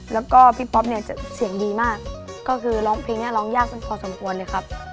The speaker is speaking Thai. แล้วก็พี่ป๊อปเนี่ยเสียงดีมากก็คือร้องเพลงนี้ร้องยากเป็นพอสมควรเลยครับ